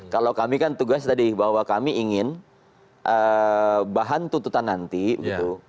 kalau kami kan tugas tadi bahwa kami ingin bahan tuntutan nanti gitu